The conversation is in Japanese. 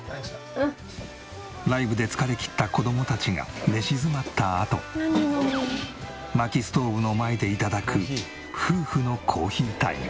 ライブで疲れ切った子供たちが寝静まったあと薪ストーブの前で頂く夫婦のコーヒータイム。